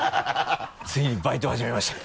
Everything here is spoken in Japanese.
「ついにバイト始めました」